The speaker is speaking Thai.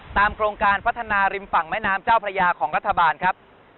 โครงการพัฒนาริมฝั่งแม่น้ำเจ้าพระยาของรัฐบาลครับ